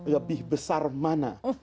lebih besar mana